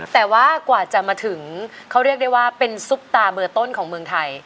แต่ว่ากว่าจะมาถึงเขาเรียกได้ว่าเป็นซุปตาเบอร์ต้นของเมืองไทย